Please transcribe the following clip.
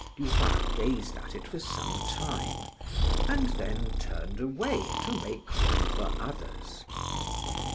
Du Roy gazed at it for some time, and then turned away, to make room for others.